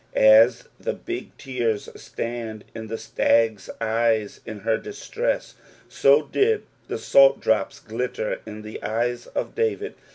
As the h'lg tears stand in the stag's eyea in her distress, so did the salt drops glitter in the eyes of David.